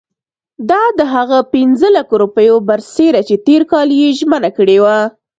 دا د هغه پنځه لکه روپیو برسېره چې تېر کال یې ژمنه کړې وه.